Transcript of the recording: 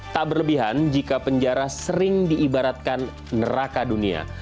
tak berlebihan jika penjara sering diibaratkan neraka dunia